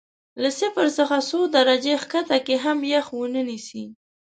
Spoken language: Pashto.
له صفر څخه څو درجې ښکته کې هم یخ ونه نیسي.